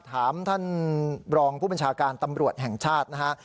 ถามท่านรองผู้บัญชาการตำรวจแห่งชาตินะฮะ